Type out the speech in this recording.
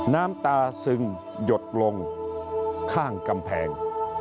น้ำตาซึงหยดลงข้างกำแพง